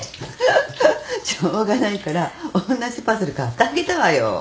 しょうがないからおんなじパズル買ってあげたわよ。